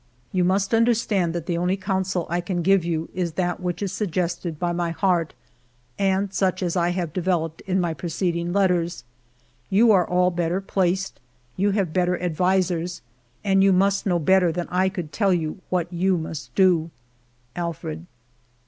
" You must understand that the only counsel I 230 FIVE YEARS OF MY LIFE can give you is that which is suggested by my heart, and such as I have developed in my preced ing letters. You are all better placed, you have better advisers, and you must know better than I could tell you what you must do. Alfred.